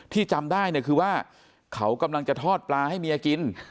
จำได้เนี่ยคือว่าเขากำลังจะทอดปลาให้เมียกิน